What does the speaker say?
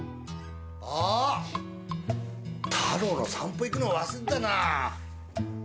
タロウの散歩行くの忘れたな。